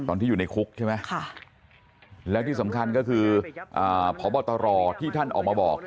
ตอนที่อยู่ในคุกใช่ไหมแล้วที่สำคัญก็คือพบตรที่ท่านออกมาบอก